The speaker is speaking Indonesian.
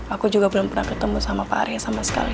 aku juga belum pernah ketemu sama pak arya sama sekali